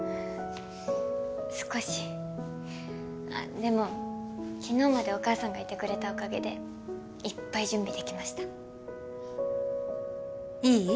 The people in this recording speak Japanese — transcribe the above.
少しでも昨日までお母さんがいてくれたおかげでいっぱい準備できましたいい？